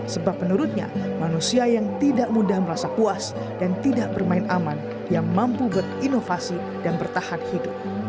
sebab menurutnya manusia yang tidak mudah merasa puas dan tidak bermain aman yang mampu berinovasi dan bertahan hidup